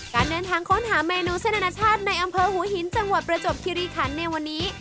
การเดินทางค้นหาเมนูเส้นอนาชาติในอำเภอหัวหินจังหวัดประจบคิริคันในวันนี้